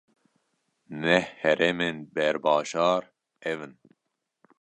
Neh heremên berbajar, ev in: